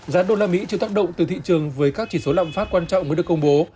giá usd chưa tác động từ thị trường với các chỉ số lạm phát quan trọng mới được công bố